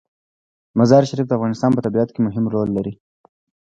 مزارشریف د افغانستان په طبیعت کې مهم رول لري.